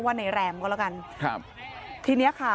ตอนนี้ก็ไม่มีอัศวินทรีย์ที่สุดขึ้นแต่ก็ไม่มีอัศวินทรีย์ที่สุดขึ้น